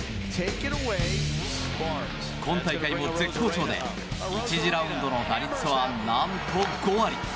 今大会も絶好調で１次ラウンドの打率は何と５割。